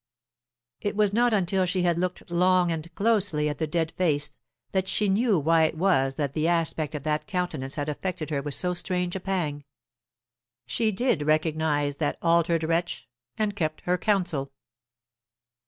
It was not until she had looked long and closely at the dead face that she knew why it was that the aspect of that countenance had affected her with so strange a pang. She did recognize that altered wretch, and kept her counsel.